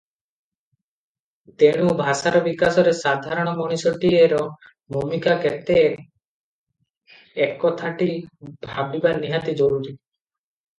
ତେଣୁ ଭାଷାର ବିକାଶରେ ସାଧାରଣ ମଣିଷଟିଏର ଭୂମିକା କେତେ ଏକଥାଟି ଭାବିବା ନିହାତି ଜରୁରୀ ।